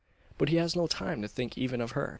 But he has no time to think even of her.